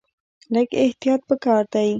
لږ احتیاط په کار دی.